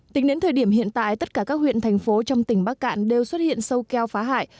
tính đến thời điểm hiện tại tất cả các huyện thành phố trong tỉnh bắc cạn đều xuất hiện sâu keo phá hại